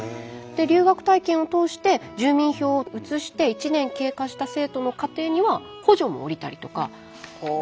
留学体験を通して住民票を移して１年経過した生徒の家庭には補助も下りたりとか。